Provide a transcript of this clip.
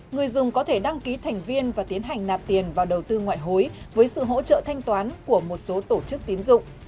người dùng có thể đăng ký thành viên và tiến hành nạp tiền vào đầu tư ngoại hối với sự hỗ trợ thanh toán của một số tổ chức tiến dụng